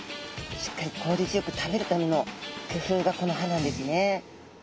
しっかり効率よく食べるためのくふうがこの歯なんですね。